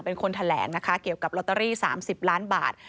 เป็นคนแถลงนะคะเกี่ยวกับลอตเตอรี่๓๐ล้านบาท